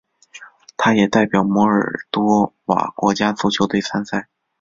他也代表摩尔多瓦国家足球队参赛。